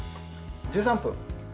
１３分。